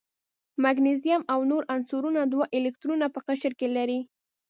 مګنیزیم او نور عنصرونه دوه الکترونه په قشر کې لري.